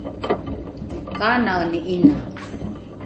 kaanaeni ’ina?